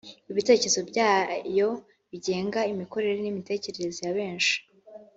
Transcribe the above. ibitekerezo byayo bigenga imikorere n’imitekerereze ya benshi